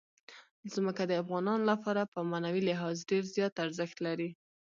ځمکه د افغانانو لپاره په معنوي لحاظ ډېر زیات ارزښت لري.